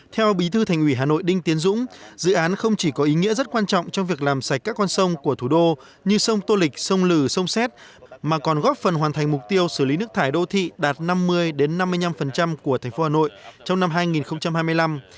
theo bí thư thành ủy hà nội đinh tiến dũng dự án không chỉ có ý nghĩa rất quan trọng trong việc làm sạch các con sông của thủ đô như sông tô lịch sông lừ sông xét mà còn góp phần hoàn thành mục tiêu xử lý nước thải đô thị đạt năm mươi năm mươi năm của thành phố hà nội trong năm hai nghìn hai mươi năm